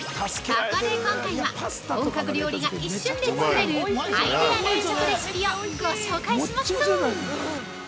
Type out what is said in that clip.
◆そこで今回は、本格料理が一瞬で作れるアイデア冷食レシピをご紹介します！